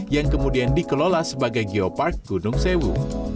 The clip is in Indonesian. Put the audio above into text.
yang kemudian dikelola sebagai geopark gunung sewu